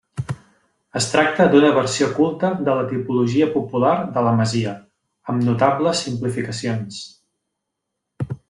Es tracta d'una versió culta de la tipologia popular de la masia, amb notables simplificacions.